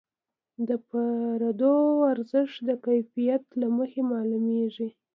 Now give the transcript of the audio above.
د پیرود ارزښت د کیفیت له مخې معلومېږي.